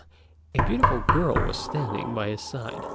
a beautiful girl was standing by his side.